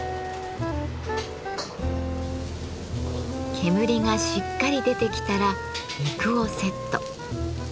煙がしっかり出てきたら肉をセット。